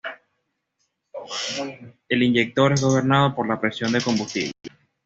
El inyector es gobernado por la presión de combustible.